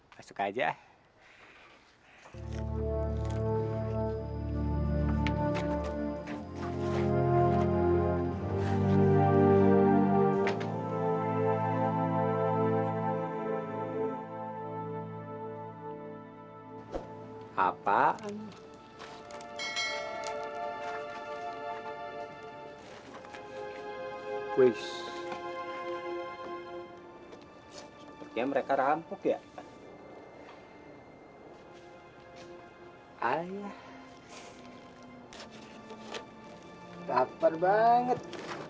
masa gak ada makanan sih